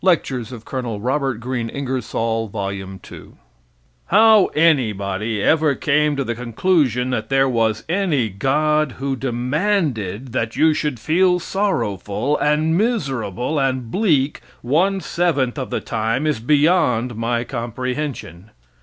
] Ingersoll's Lecture on Religious Intolerance "How anybody ever came to the conclusion that there was any God who demanded that you should feel sorrowful and miserable and bleak one seventh of the time is beyond my comprehension.